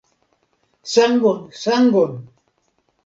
Sangon, sangon.